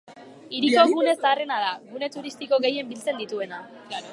Hiriko gune zaharrena da, gune turistiko gehien biltzen dituena.